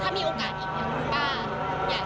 ตอนนี้เป็นครั้งหนึ่งครั้งหนึ่ง